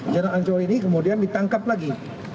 zainal anshori ini kemudian ditangkap lagi